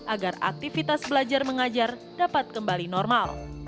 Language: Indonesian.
agar aktivitas belajar mengajar dapat kembali normal